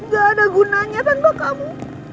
gak ada gunanya tanpa kamu